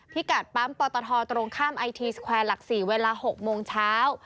กัดปั๊มปตทตรงข้ามไอทีสแควร์หลัก๔เวลา๖โมงเช้า